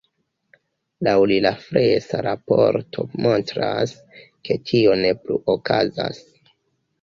Laŭ li la freŝa raporto montras, ke tio ne plu okazas.